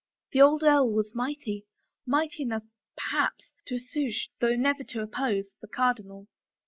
The old earl was mighty — mighty enough, perhaps, to assuage, though never to oppose, the cardinal.